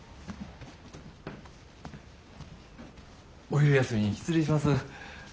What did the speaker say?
お昼休みに失礼します。